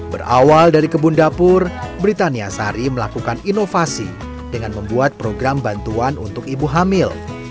berawal dari kebun dapur britania sari melakukan inovasi dengan membuat program bantuan untuk ibu hamil